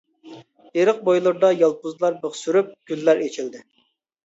ئېرىق بويلىرىدا يالپۇزلار بىخ سۈرۈپ، گۈللەر ئېچىلدى.